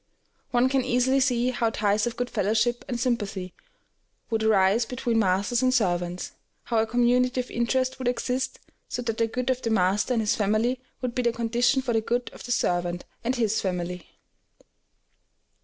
One can easily see how ties of good fellowship and sympathy would arise between masters and servants, how a community of interest would exist, so that the good of the master and his family would be the condition for the good of the servant and his family.